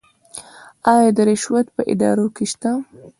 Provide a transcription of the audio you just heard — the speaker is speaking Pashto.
آیا رشوت په ادارو کې شته؟